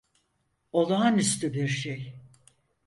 Olağanüstü bir şey.